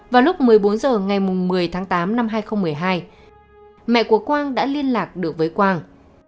vào lúc một mươi bốn h ngày một mươi tháng tám năm hai nghìn một mươi hai mẹ của quang đã liên lạc được với quang